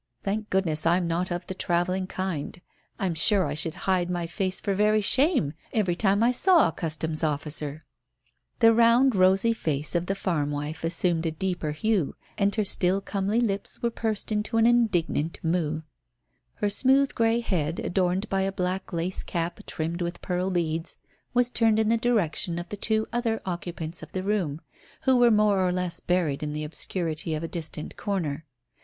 Thank goodness I'm not of the travelling kind; I'm sure I should hide my face for very shame every time I saw a Customs officer." The round, rosy face of the farm wife assumed a deeper hue, and her still comely lips were pursed into an indignant moue. Her smooth grey head, adorned by a black lace cap trimmed with pearl beads, was turned in the direction of the two other occupants of the room, who were more or less buried in the obscurity of a distant corner.